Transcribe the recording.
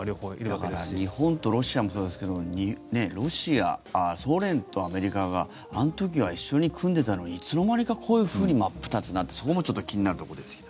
だから日本とロシアもそうですがソ連とアメリカがあの時は一緒に組んでいたのにいつの間にかこういうふうに真っ二つになってそこも気になるところですが。